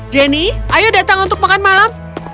jenny ayo datang untuk makan malam